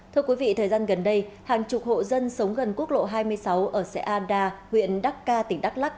thưa quý vị thời gian gần đây hàng chục hộ dân sống gần quốc lộ hai mươi sáu ở xe a đa huyện đắc ca tỉnh đắc lắc